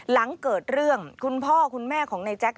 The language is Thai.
หลังเกิดเรื่องคุณพ่อคุณแม่ของนายแจ๊ค